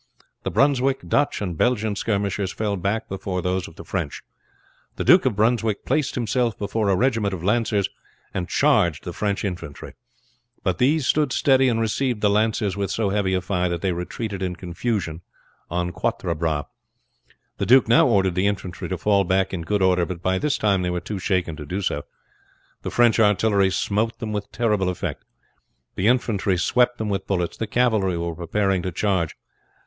The Brunswick, Dutch, and Belgian skirmishers fell back before those of the French. The Duke of Brunswick placed himself before a regiment of lancers and charged the French infantry; but these stood steady, and received the lancers with so heavy a fire that they retreated in confusion on Quatre Bras. The duke now ordered the infantry to fall back in good order, but by this time they were too shaken to do so. The French artillery smote them with terrible effect; the infantry swept them with bullets; the cavalry were preparing to charge.